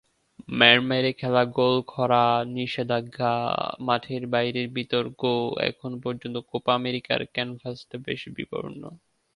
ম্যাড়মেড়ে খেলা, গোলখরা, নিষেধাজ্ঞা, মাঠের বাইরের বিতর্ক—এখন পর্যন্ত কোপা আমেরিকার ক্যানভাসটা বেশ বিবর্ণ।